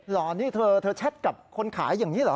เหรอนี่เธอเธอแชทกับคนขายอย่างนี้เหรอ